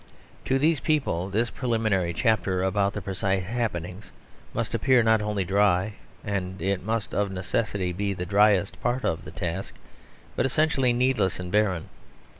To these people this preliminary chapter about the precise happenings must appear not only dry (and it must of necessity be the driest part of the task) but essentially needless and barren.